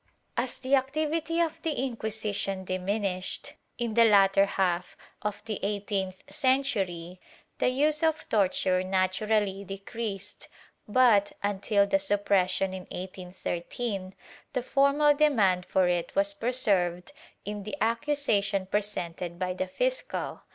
^ As the activity of the Inquisition diminished, in the latter half of the eighteenth century, the use of torture naturally decreased but, until the suppression in 1813, the formal demand for it was preserved in the accusation presented by the fiscal.